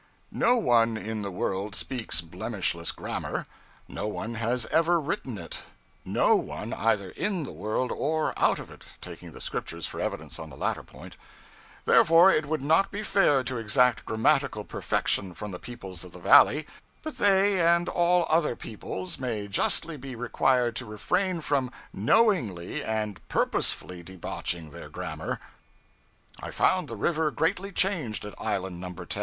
No one in the world speaks blemishless grammar; no one has ever written it no one, either in the world or out of it (taking the Scriptures for evidence on the latter point); therefore it would not be fair to exact grammatical perfection from the peoples of the Valley; but they and all other peoples may justly be required to refrain from knowingly and purposely debauching their grammar. I found the river greatly changed at Island No. 10.